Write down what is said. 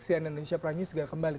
si anand nisha pranyu segera kembali